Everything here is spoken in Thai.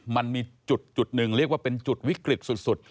มันมีจุดหนึ่งเรียกว่าเป็นจุดวิกฤตสุด